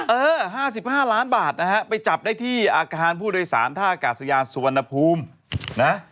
เออ๕๕ล้านบาทนะฮะไปจับได้ที่อาคารผู้โดยสารท่ากาศยานสุวรรณภูมินะ